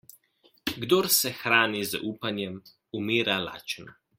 Kdor se hrani z upanjem, umira lačen.